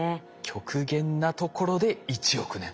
極限なところで１億年。